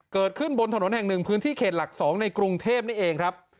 เกิดขึ้นบนถนนแห่งหนึ่งพื้นที่เขตหลัก๒ในกรุงเทพนี่เองครับ